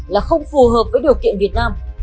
là không phù hợp với điều kiện việt nam